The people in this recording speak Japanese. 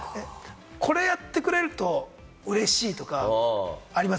これやってくれるとうれしいとかはあります？